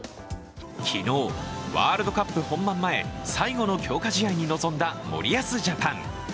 昨日、ワールドカップ本番前最後の強化試合に臨んだ森保ジャパン。